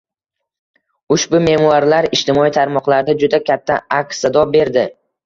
Ushbu memuarlar ijtimoiy tarmoqlarda juda katta aks-sado berdi